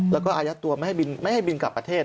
แล้วก็อายัดตัวไม่ให้บินกลับประเทศ